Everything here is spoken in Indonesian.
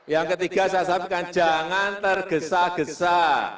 yang ketiga saya sampaikan jangan tergesa gesa